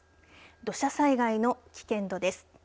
土砂災害の危険度です。